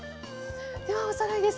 ではおさらいです。